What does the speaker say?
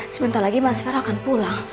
sebentar lagi mas farah akan pulang